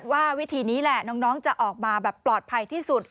ว่าวิธีนี้แหละน้องจะออกมาแบบปลอดภัยที่สุด